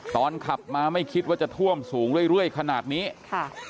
ขับมาไม่คิดว่าจะท่วมสูงเรื่อยเรื่อยขนาดนี้ค่ะ